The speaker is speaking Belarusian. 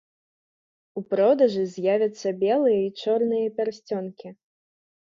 У продажы з'явяцца белыя і чорныя пярсцёнкі.